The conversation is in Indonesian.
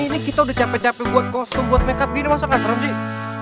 ini kita udah capek capek buat kostum buat makeup gini masa gak serum sih